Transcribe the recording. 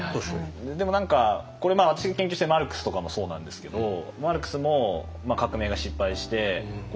でも何かこれ私が研究しているマルクスとかもそうなんですけどマルクスも革命が失敗して亡命者になってイギリスに行って。